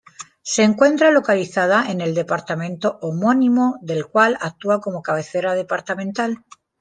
Se encuentra localizada en el departamento homónimo, del cual actúa como cabecera departamental.